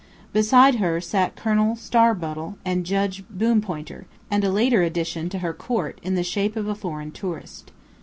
Beside her sat Colonel Starbottle and Judge Boompointer, and a later addition to her court in the shape of a foreign tourist.